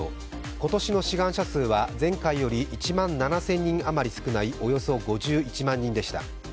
今年の志願者数は前回より１万７０００人余り少ないおよそ５１万人でした。